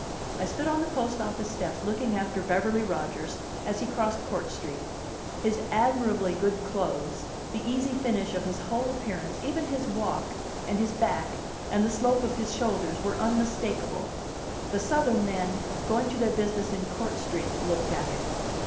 I stood on the post office steps looking after Beverly Rodgers as he crossed Court Street. His admirably good clothes, the easy finish of his whole appearance, even his walk, and his back, and the slope of his shoulders, were unmistakable. The Southern men, going to their business in Court Street, looked at him.